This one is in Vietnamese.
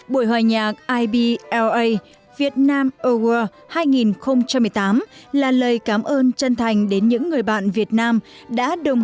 buổi hòa nhạc ibla việt nam awards hai nghìn một mươi tám là lời cảm ơn chân thành đến những người bạn việt nam đã đồng hành với quốc gia và các quốc gia